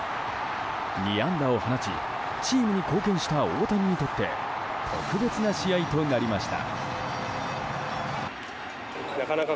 ２安打を放ちチームに貢献した大谷にとって特別な試合となりました。